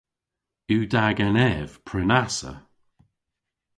Yw da genev prenassa?